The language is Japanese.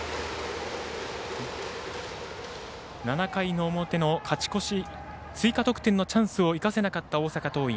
７回の表の勝ち越し追加得点のチャンスを生かせなかった大阪桐蔭。